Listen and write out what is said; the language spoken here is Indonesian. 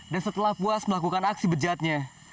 dan setelah puas melakukan aksi bejatnya